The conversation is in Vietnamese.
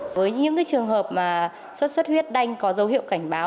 với những trường hợp mà suốt suốt huyết đanh có dấu hiệu cảnh báo